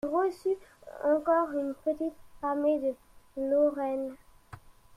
Il reçut encore une petite armée de Lorraine.